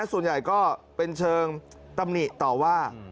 เรื่องตำหนิต่อว่า